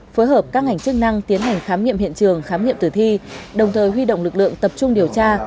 phối hợp các ngành chức năng tiến hành khám nghiệm hiện trường khám nghiệm tử thi đồng thời huy động lực lượng tập trung điều tra